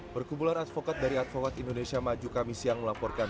perkubulan advokat dari advokat indonesia maju kamis yang melaporkan